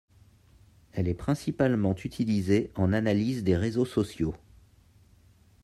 Elle est principalement utilisée en analyse des réseaux sociaux.